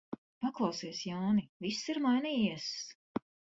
Paklausies, Jāni, viss ir mainījies.